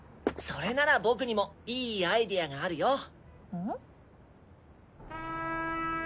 それなら僕にもいいアイデアがあるよ。